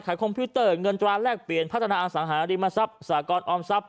คอมพิวเตอร์เงินตราแลกเปลี่ยนพัฒนาอสังหาริมทรัพย์สากรออมทรัพย